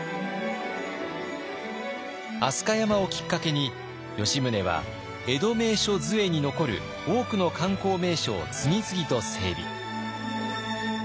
飛鳥山をきっかけに吉宗は「江戸名所図会」に残る多くの観光名所を次々と整備。